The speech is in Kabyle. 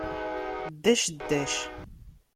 Ddac, ddac!